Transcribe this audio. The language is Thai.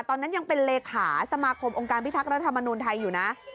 ตอนนั้นยังเป็นเลขาสมาคมองค์การพิทักษ์รัฐมนุนไทยอยู่นะ